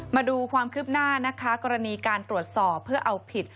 มาดูความคืบหน้านะคะกรณีการตรวจสอบเพื่อเอาผิด